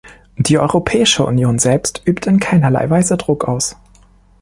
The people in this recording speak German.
Die Europäische Union selbst übt in keinerlei Weise Druck aus.